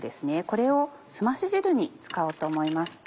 これをすまし汁に使おうと思います。